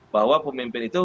bahwa pemimpin itu